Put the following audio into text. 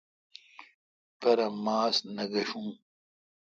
پرہ ماس نہ گشون۔